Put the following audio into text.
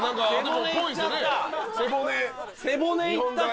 背骨いったか！